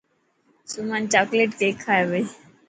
سمن چاڪليٽ ڪيڪ کائي پئي.